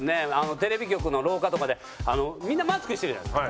テレビ局の廊下とかでみんなマスクしてるじゃないですか。